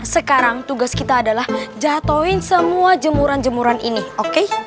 sekarang tugas kita adalah jatuhin semua jemuran jemuran ini oke